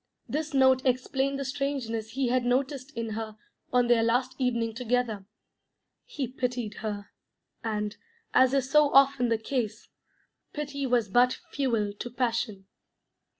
This note explained the strangeness he had noticed in her on their last evening together. He pitied her, and, as is so often the case, pity was but fuel to passion.